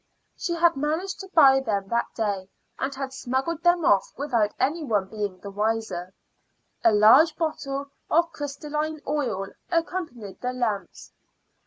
She had managed to buy them that day, and had smuggled them off without any one being the wiser. A large bottle of crystalline oil accompanied the lamps.